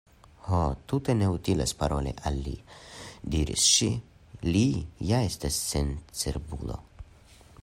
"Ho, tute ne utilas paroli al li," diris ŝi, "li ja estas sencerbulo.